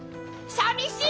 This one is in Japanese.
さみしい！